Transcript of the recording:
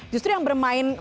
justru yang bermain